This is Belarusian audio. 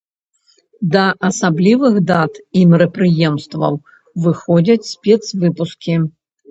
Да асаблівых дат і мерапрыемстваў выходзяць спецвыпускі.